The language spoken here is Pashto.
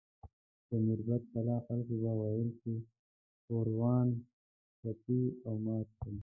د میربت کلا خلکو به ویل چې ګوروان ټپي او مات شو.